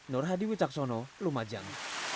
nur hadi wicaksono lumajang